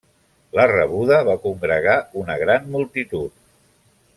La rebuda va congregar una gran multitud.